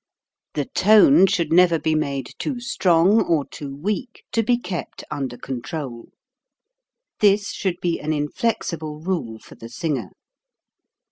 The tone should never be made 180 HOW TO SING too strong or too weak to be kept under control. This should be an inflexible rule for the singer.